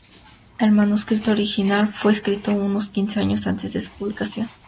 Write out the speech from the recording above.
El manuscrito original fue escrito unos quince años antes de su publicación.